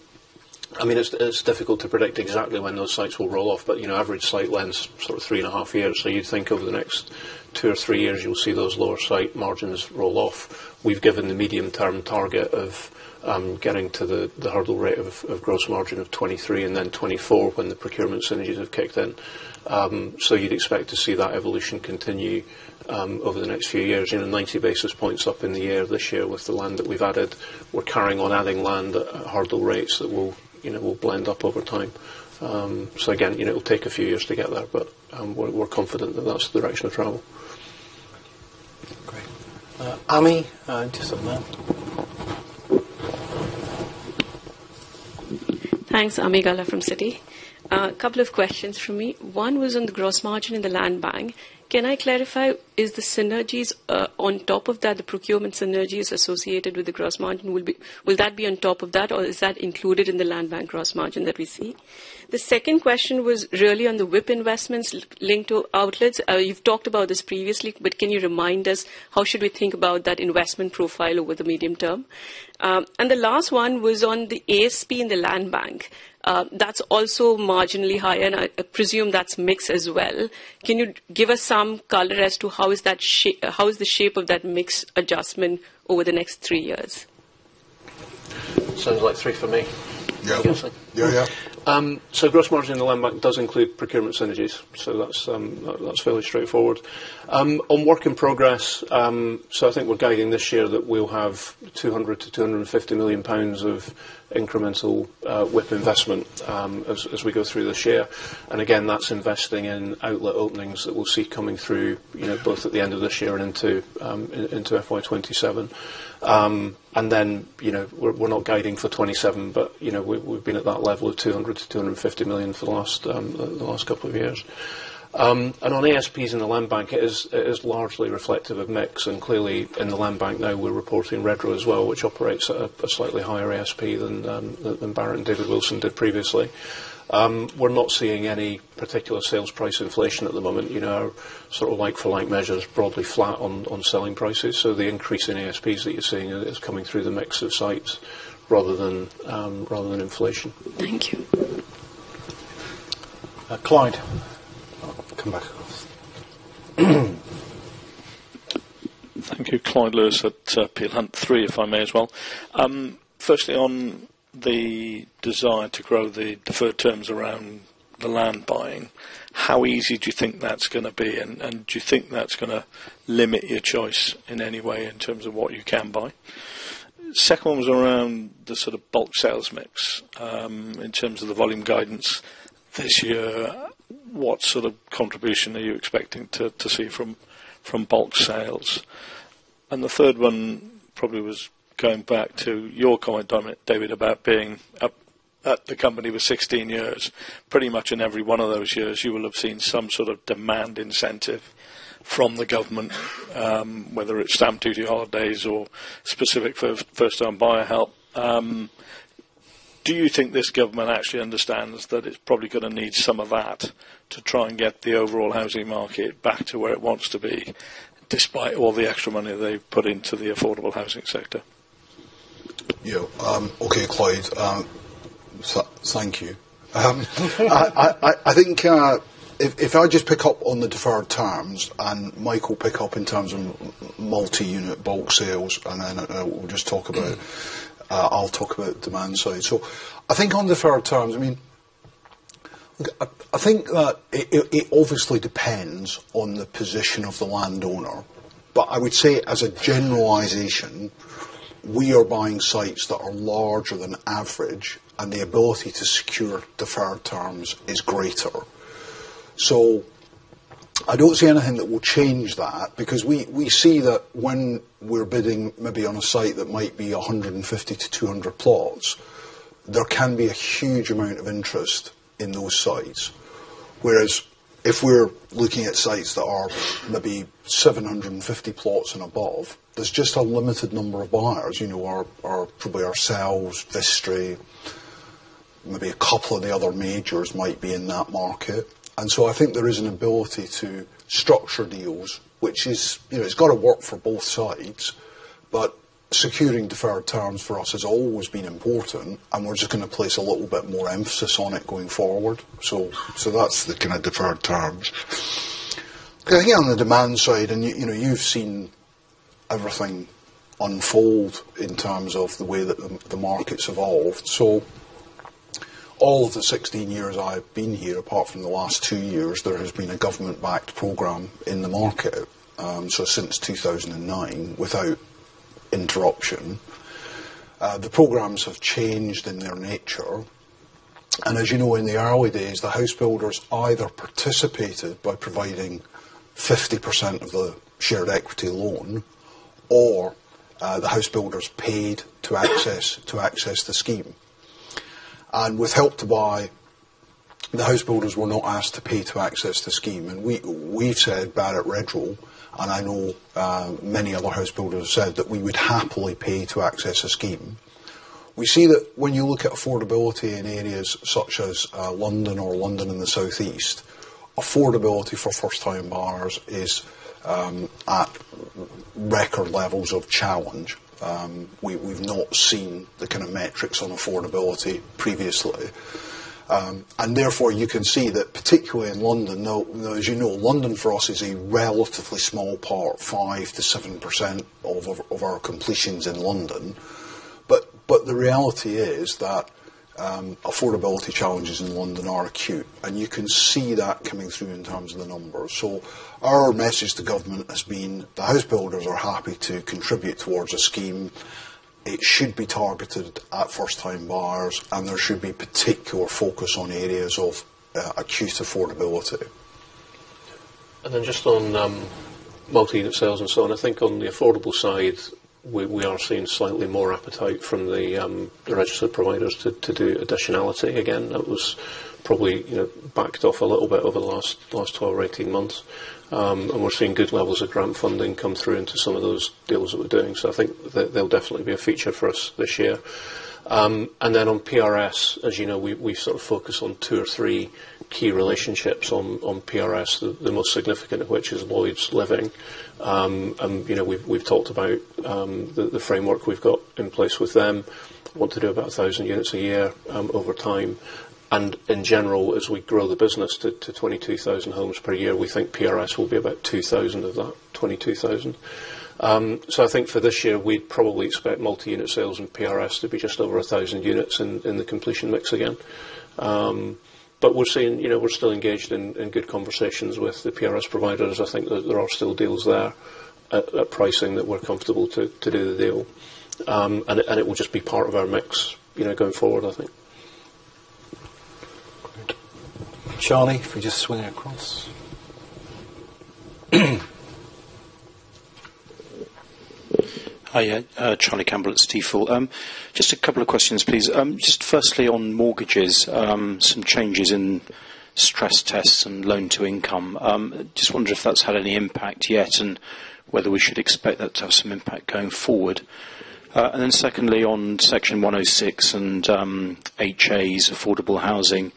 it's difficult to predict exactly when those sites will roll off, but average site lengths are sort of three and a half years. Over the next two or three years, you'll see those lower site margins roll off. We've given the medium-term target of getting to the hurdle rate of gross margin of 23% and then 24% when the procurement synergies have kicked in. You'd expect to see that evolution continue over the next few years. 90 basis points up in the year this year with the land that we've added. We're carrying on adding land at hurdle rates that will blend up over time. It will take a few years to get there, but we're confident that that's the direction of travel. Ami, just up now. Thanks, Ami Gullah from Citi. A couple of questions for me. One was on the gross margin in the land bank. Can I clarify, is the synergies on top of that, the procurement synergies associated with the gross margin, will that be on top of that or is that included in the land bank gross margin that we see? The second question was really on the WIP investments linked to outlets. You've talked about this previously, but can you remind us how should we think about that investment profile over the medium term? The last one was on the ASP in the land bank. That's also marginally higher, and I presume that's mix as well. Can you give us some color as to how is that, how is the shape of that mix adjustment over the next three years? Sounds like three for me. I guess so. Yeah. Gross margin in the land bank does include procurement synergies, so that's fairly straightforward. On work in progress, we're guiding this year that we'll have £200 million to £250 million of incremental WIP investment as we go through this year. That's investing in outlet openings that we'll see coming through both at the end of this year and into FY2027. We're not guiding for 2027, but we've been at that level of £200 million to £250 million for the last couple of years. On ASPs in the land bank, it is largely reflective of mix. In the land bank now, we're reporting Redrow as well, which operates at a slightly higher ASP than Barratt and David Wilson did previously. We're not seeing any particular sales price inflation at the moment. Our sort of like-for-like measure is broadly flat on selling prices. The increase in ASPs that you're seeing is coming through the mix of sites rather than inflation. Thank you. Clyde. Thank you, Clyde Lewis at Peel Hunt, if I may as well. Firstly, on the desire to grow the preferred terms around the land buying, how easy do you think that's going to be? Do you think that's going to limit your choice in any way in terms of what you can buy? The second one was around the sort of bulk sales mix. In terms of the volume guidance this year, what sort of contribution are you expecting to see from bulk sales? The third one probably was going back to your comment, David, about being at the company for 16 years. Pretty much in every one of those years, you will have seen some sort of demand incentive from the government, whether it's stamp duty holidays or specific first-time buyer help. Do you think this government actually understands that it's probably going to need some of that to try and get the overall housing market back to where it wants to be, despite all the extra money they've put into the affordable housing sector? Yeah. Okay, Clyde. Thank you. I think if I just pick up on the deferred terms and Mike will pick up in terms of multi-unit bulk sales and then we'll just talk about, I'll talk about the demand side. On deferred terms, I mean, I think that it obviously depends on the position of the landowner. I would say as a generalization, we are buying sites that are larger than average and the ability to secure deferred terms is greater. I don't see anything that will change that because we see that when we're bidding maybe on a site that might be 150 to 200 plots, there can be a huge amount of interest in those sites. Whereas if we're looking at sites that are maybe 750 plots and above, there's just a limited number of buyers. Probably ourselves, Vistry, maybe a couple of the other majors might be in that market. I think there is an ability to structure deals, which is, you know, it's got to work for both sides, but securing deferred terms for us has always been important and we're just going to place a little bit more emphasis on it going forward. That's the kind of deferred term. Here on the demand side, and you've seen everything unfold in terms of the way that the market's evolved. All of the 16 years I've been here, apart from the last two years, there has been a government-backed program in the market. Since 2009, without interruption, the programs have changed in their nature. As you know, in the early days, the house builders either participated by providing 50% of the shared equity loan or the house builders paid to access the scheme. With Help to Buy, the house builders were not asked to pay to access the scheme. We said, Barratt Redrow, and I know many other house builders said that we would happily pay to access a scheme. We see that when you look at affordability in areas such as London or London in the Southeast, affordability for first-time buyers is at record levels of challenge. We've not seen the kind of metrics on affordability previously. Therefore, you can see that particularly in London, though, as you know, London for us is a relatively small part, 5% to 7% of our completions in London. The reality is that affordability challenges in London are acute. You can see that coming through in terms of the numbers. Our message to government has been the house builders are happy to contribute towards a scheme. It should be targeted at first-time buyers and there should be particular focus on areas of acute affordability. On multi-unit sales, I think on the affordable side, we are seeing slightly more appetite from the registered providers to do additionality. That was probably backed off a little bit over the last 12 or 18 months. We're seeing good levels of grant funding come through into some of those deals that we're doing. I think they'll definitely be a feature for us this year. On PRS, as you know, we sort of focus on two or three key relationships on PRS, the most significant of which is Lloyd's Living. We've talked about the framework we've got in place with them, what they do, about 1,000 units a year over time. In general, as we grow the business to 22,000 homes per year, we think PRS will be about 2,000 of that 22,000. For this year, we'd probably expect multi-unit sales and PRS to be just over 1,000 units in the completion mix again. We're still engaged in good conversations with the PRS providers. I think that there are still deals there at pricing that we're comfortable to do the deal. It will just be part of our mix going forward, I think. Charlie, if we just swing across. Hi, Charlie Campbell, it's default. Just a couple of questions, please. Firstly, on mortgages, some changes in stress tests and loan to income. Just wondered if that's had any impact yet and whether we should expect that to have some impact going forward. Secondly, on Section 106 and HAs, affordable housing,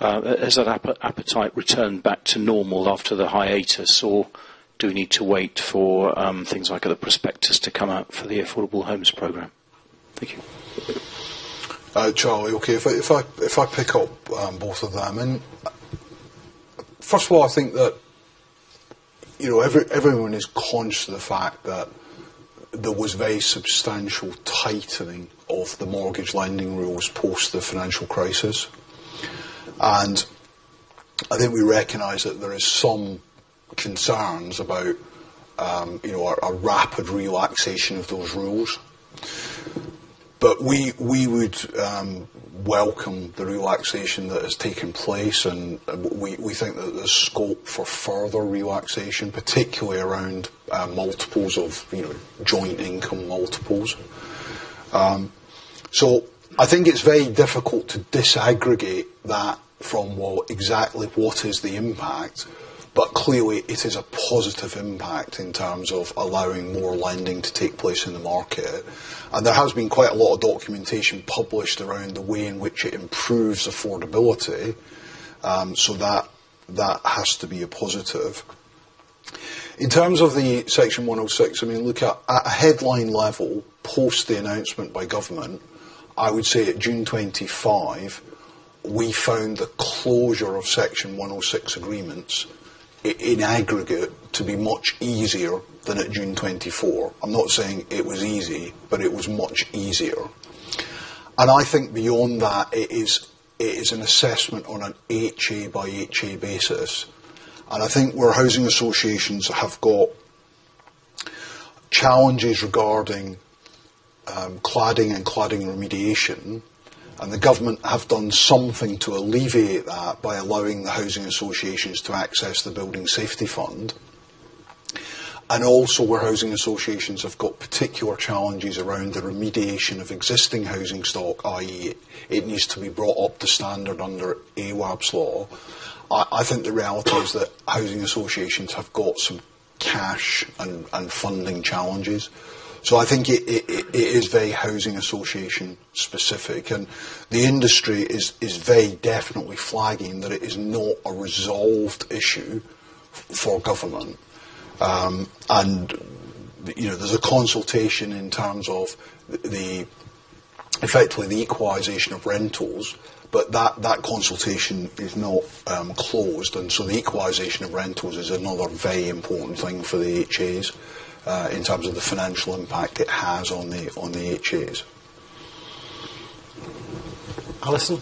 has that appetite returned back to normal after the hiatus, or do we need to wait for things like other prospectus to come out for the affordable homes program? Thank you. Hi Charlie, okay, if I pick up both of them. First of all, I think that everyone is conscious of the fact that there was very substantial tightening of the mortgage lending rules post the financial crisis. I think we recognize that there are some concerns about a rapid relaxation of those rules. We would welcome the relaxation that has taken place, and we think that there's scope for further relaxation, particularly around multiples of joint income multiples. I think it's very difficult to disaggregate that from exactly what is the impact, but clearly it is a positive impact in terms of allowing more lending to take place in the market. There has been quite a lot of documentation published around the way in which it improves affordability. That has to be a positive. In terms of the Section 106, at a headline level post the announcement by government, I would say at June 25, we found the closure of Section 106 agreements in aggregate to be much easier than at June 24. I'm not saying it was easy, but it was much easier. Beyond that, it is an assessment on an HA by HA basis. Where housing associations have got challenges regarding cladding and cladding remediation, the government has done something to alleviate that by allowing the housing associations to access the Building Safety Fund. Also, where housing associations have got particular challenges around the remediation of existing housing stock, i.e., it needs to be brought up to standard under AWAP's law, the reality is that housing associations have got some cash and funding challenges. It is very housing association specific. The industry is definitely flagging that it is not a resolved issue for government. There is a consultation in terms of the effect with the equalization of rentals, but that consultation is not closed. The equalization of rentals is another very important thing for the HAs in terms of the financial impact it has on the HAs. Alison.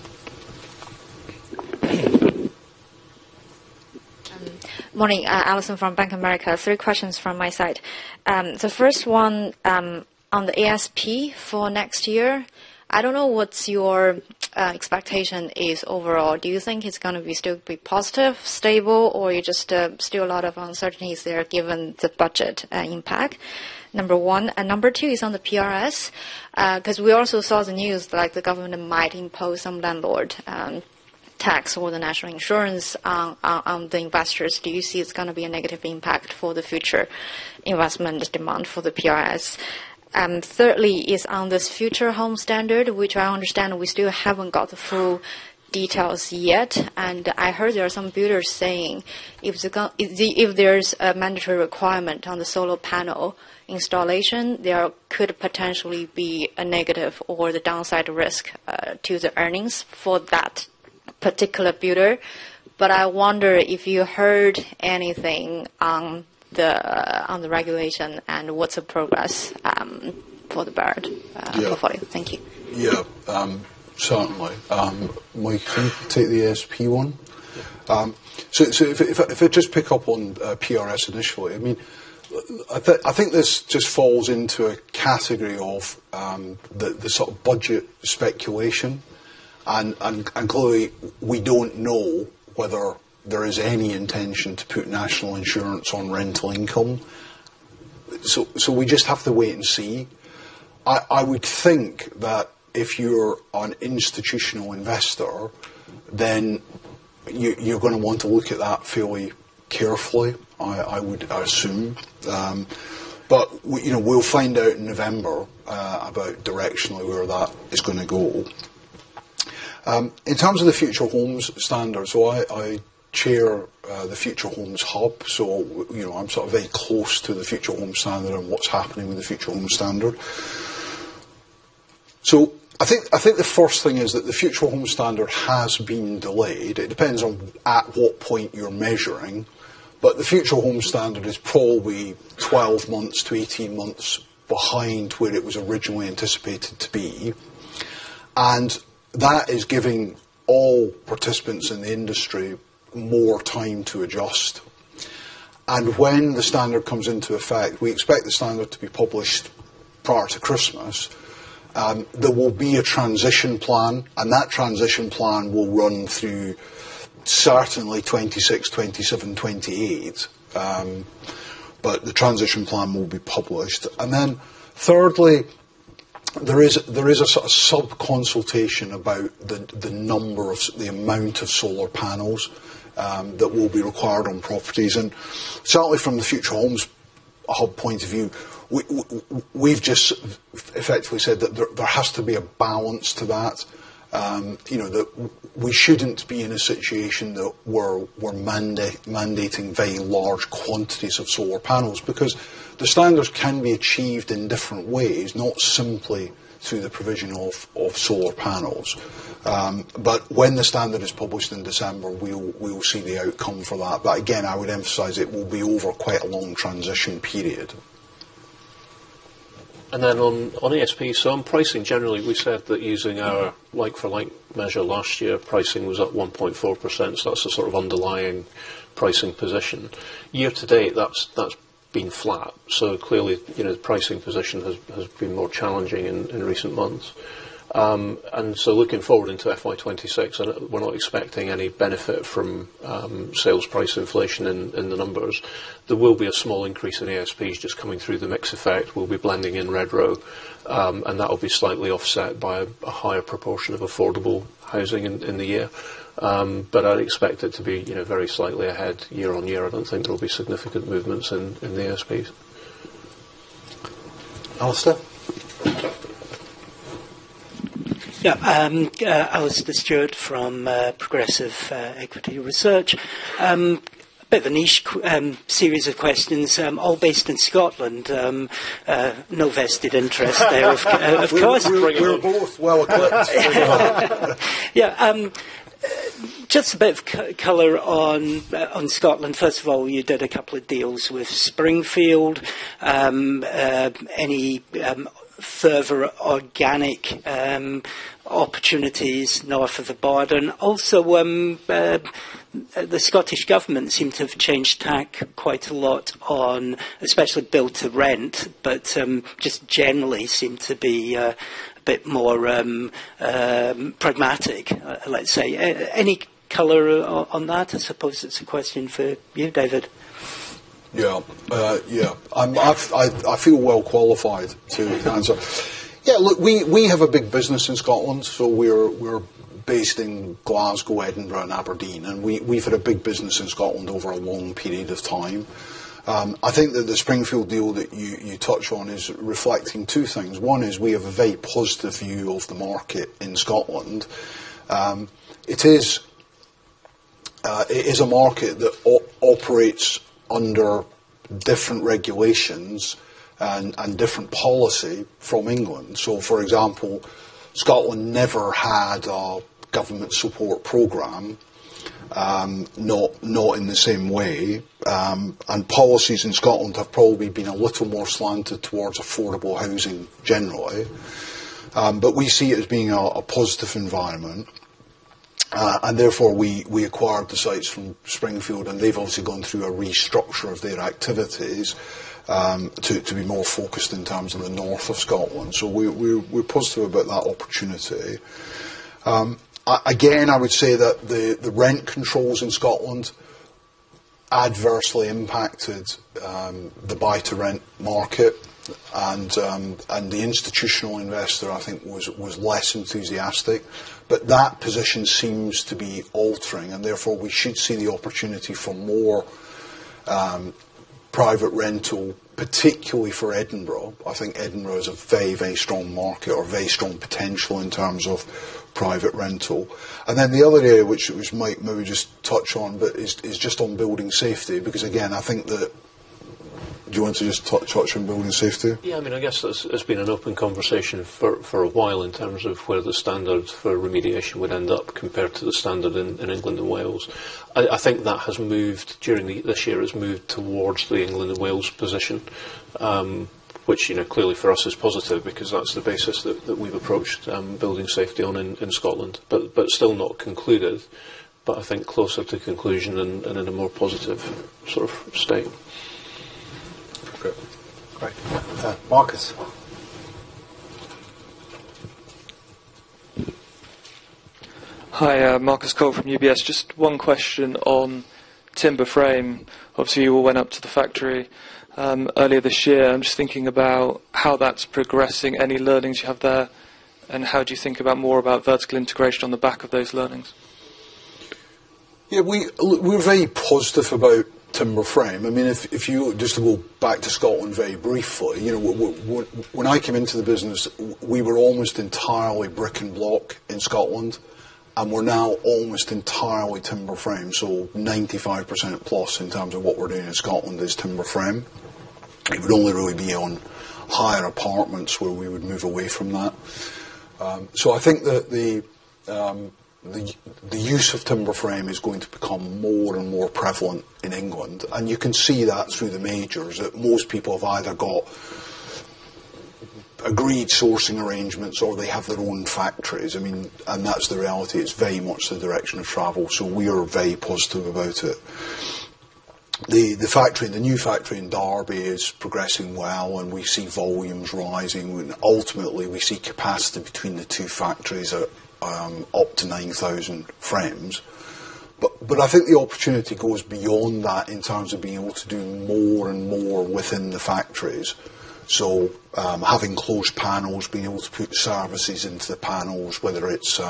Morning. Alison from Bank of America. Three questions from my side. The first one on the ASP for next year. I don't know what your expectation is overall. Do you think it's going to still be positive, stable, or is there still a lot of uncertainties there given the budget impact? Number one. Number two is on the PRS because we also saw the news that the government might impose some landlord tax or the national insurance on the investors. Do you see it's going to be a negative impact for the future investment demand for the PRS? Thirdly, is on this future home standard, which I understand we still haven't got the full details yet. I heard there are some builders saying if there's a mandatory requirement on the solar panel installation, there could potentially be a negative or the downside risk to the earnings for that particular builder. I wonder if you heard anything on the regulation and what's the progress for the Barratt Redrow portfolio. Thank you. Yeah, certainly. We can take the ASP one. If I just pick up on PRS initially, I think this just falls into a category of the sort of budget speculation. Clearly, we don't know whether there is any intention to put national insurance on rental income. We just have to wait and see. I would think that if you're an institutional investor, then you're going to want to look at that fairly carefully, I would assume. We'll find out in November about directionally where that is going to go. In terms of the Future Homes Standard, I chair the Future Homes Hub. I'm very close to the Future Homes Standard and what's happening with the Future Homes Standard. The first thing is that the Future Homes Standard has been delayed. It depends on at what point you're measuring, but the Future Homes Standard is probably 12 months to 18 months behind where it was originally anticipated to be. That is giving all participants in the industry more time to adjust. When the standard comes into effect, we expect the standard to be published prior to Christmas. There will be a transition plan, and that transition plan will run through 2026, 2027, 2028. The transition plan will be published. Thirdly, there is a sub-consultation about the numbers, the amount of solar panels that will be required on properties. Certainly from the Future Homes Hub point of view, we've just effectively said that there has to be a balance to that. We shouldn't be in a situation that we're mandating very large quantities of solar panels because the standards can be achieved in different ways, not simply through the provision of solar panels. When the standard is published in December, we'll see the outcome for that. I would emphasize it will be over quite a long transition period. On ASP, so on pricing generally, we said that using our like-for-like measure last year, pricing was at 1.4%. That's the sort of underlying pricing position. Year to date, that's been flat. Clearly, the pricing position has been more challenging in recent months. Looking forward into FY2026, we're not expecting any benefit from sales price inflation in the numbers. There will be a small increase in ASPs just coming through the mix effect. We'll be blending in Redrow, and that'll be slightly offset by a higher proportion of affordable housing in the year. I'd expect it to be very slightly ahead year on year. I don't think there'll be significant movements in the ASPs. Alistair. Yeah, Alistair Stewart from Progressive Equity Research. A bit of a niche series of questions, all based in Scotland. No vested interest there. We're both well equipped. Yeah, just a bit of color on Scotland. First of all, you did a couple of deals with Springfield. Any further organic opportunities? No effort at Barden. Also, the Scottish government seemed to have changed tack quite a lot on especially build to rent, but just generally seemed to be a bit more pragmatic, let's say. Any color on that? I suppose it's a question for you, David. Yeah, I feel well qualified to answer. Look, we have a big business in Scotland, so we're based in Glasgow, Edinburgh, and Aberdeen, and we've had a big business in Scotland over a long period of time. I think that the Springfield deal that you touched on is reflecting two things. One is we have a very positive view of the market in Scotland. It is a market that operates under different regulations and different policy from England. For example, Scotland never had a government support program, not in the same way. Policies in Scotland have probably been a little more slanted towards affordable housing generally. We see it as being a positive environment. Therefore, we acquired the sites from Springfield, and they've obviously gone through a restructure of their activities to be more focused in terms of the north of Scotland. We're positive about that opportunity. Again, I would say that the rent controls in Scotland adversely impacted the buy-to-rent market. The institutional investor, I think, was less enthusiastic. That position seems to be altering, and therefore, we should see the opportunity for more private rental, particularly for Edinburgh. I think Edinburgh is a very, very strong market or very strong potential in terms of private rental. The other area, which Mike maybe just touched on, is just on building safety, because again, I think that... Do you want to just touch on building safety? Yeah, I mean, I guess there's been an open conversation for a while in terms of where the standards for remediation would end up compared to the standard in England and Wales. I think that has moved during this year, it's moved towards the England and Wales position, which, you know, clearly for us is positive because that's the basis that we've approached building safety on in Scotland, it's still not concluded. I think it's closer to conclusion and in a more positive sort of state. Thanks, Marcus. Hi, Marcus Cove from UBS. Just one question on timber frame. Obviously, you all went up to the factory earlier this year. I'm just thinking about how that's progressing, any learnings you have there, and how do you think about more about vertical integration on the back of those learnings? Yeah, we're very positive about timber frame. If you just go back to Scotland very briefly, when I came into the business, we were almost entirely brick and block in Scotland, and we're now almost entirely timber frame. So 95%+ in terms of what we're doing in Scotland is timber frame. We would only really be on higher apartments where we would move away from that. I think that the use of timber frame is going to become more and more prevalent in England. You can see that through the majors, that most people have either got agreed sourcing arrangements or they have their own factories. That's the reality. It's very much the direction of travel. We are very positive about it. The new factory in Derby is progressing well, and we see volumes rising. Ultimately, we see capacity between the two factories at up to 9,000 frames. I think the opportunity goes beyond that in terms of being able to do more and more within the factories, so having closed panels, being able to put services into the panels, whether it's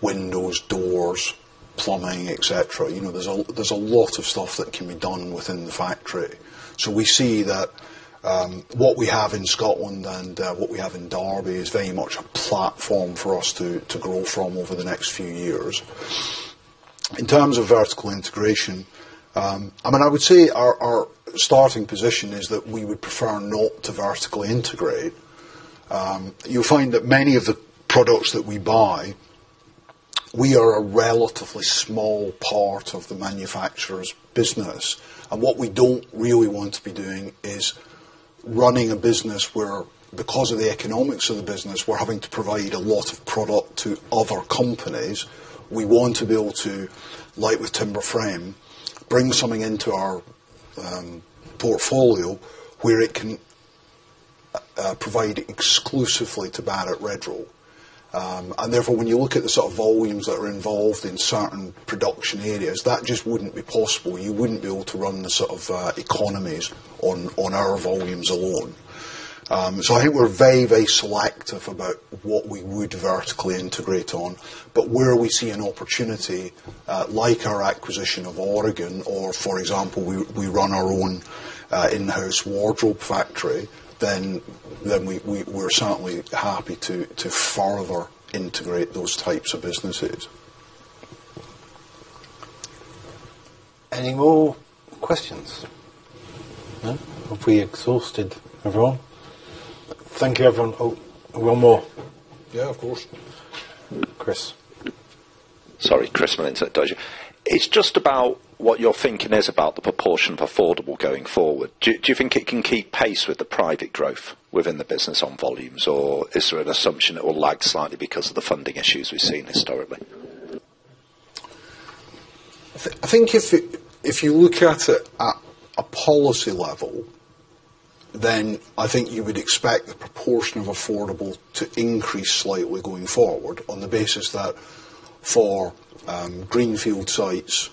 windows, doors, plumbing, etc. There's a lot of stuff that can be done within the factory. We see that what we have in Scotland and what we have in Derby is very much a platform for us to grow from over the next few years. In terms of vertical integration, I would say our starting position is that we would prefer not to vertically integrate. You'll find that many of the products that we buy, we are a relatively small part of the manufacturer's business. What we don't really want to be doing is running a business where, because of the economics of the business, we're having to provide a lot of product to other companies. We want to be able to, like with timber frame, bring something into our portfolio where it can provide exclusively to Barratt Redrow. Therefore, when you look at the sort of volumes that are involved in certain production areas, that just wouldn't be possible. You wouldn't be able to run the sort of economies on our volumes alone. I think we're very, very selective about what we would vertically integrate on. Where we see an opportunity, like our acquisition of Oregon, or for example, we run our own in-house wardrobe factory, we're certainly happy to further integrate those types of businesses. Any more questions? Hope we exhausted everyone. Thank you, everyone. Oh, one more. Yeah, of course. Chris. Sorry, Chris, my name's not Dodge. It's just about what your thinking is about the proportion of affordable going forward. Do you think it can keep pace with the private growth within the business on volumes, or is there an assumption it will lag slightly because of the funding issues we've seen historically? I think if you look at it at a policy level, then I think you would expect the proportion of affordable to increase slightly going forward on the basis that for greenfield sites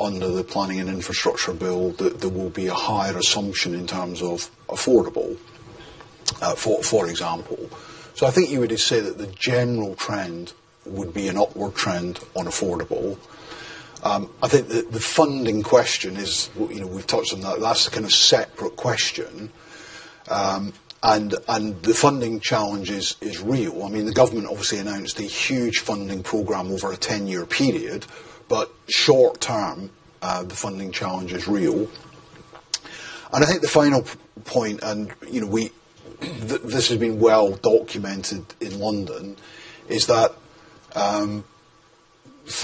under the planning and infrastructure bill, there will be a higher assumption in terms of affordable, for example. I think you would just say that the general trend would be an upward trend on affordable. The funding question is, you know, we've touched on that. That's a kind of separate question. The funding challenge is real. The government obviously announced a huge funding program over a 10-year period, but short term, the funding challenge is real. The final point, and you know, this has been well documented in London, is that 35%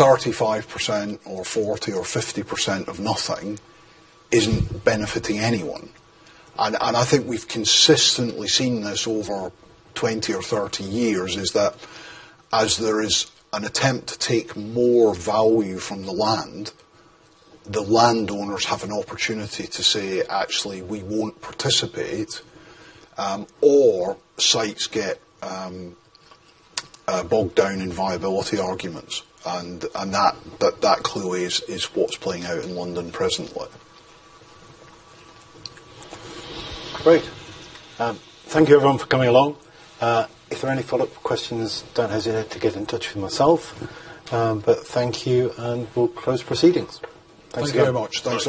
or 40% or 50% of nothing isn't benefiting anyone. I think we've consistently seen this over 20 or 30 years, is that as there is an attempt to take more value from the land, the landowners have an opportunity to say, actually, we won't participate, or sites get bogged down in viability arguments. That clearly is what's playing out in London presently. Great. Thank you, everyone, for coming along. If there are any follow-up questions, don't hesitate to get in touch with myself. Thank you and we'll close proceedings. Thank you very much. Thanks.